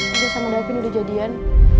udah sama davin udah jadian